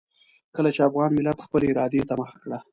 کله چې افغان ملت خپلې ارادې ته مخه کړه.